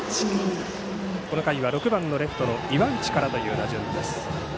この回は６番のレフトの岩内からという打順です。